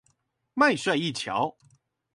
麥帥一橋